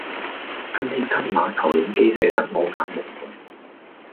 今天給那投影機射得我眼濛濛